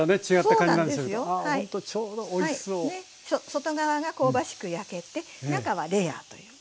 外側が香ばしく焼けて中はレアという。